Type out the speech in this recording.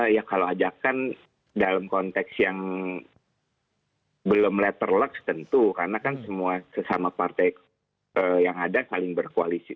ya kalau ajakan dalam konteks yang belum letter lucks tentu karena kan semua sesama partai yang ada saling berkoalisi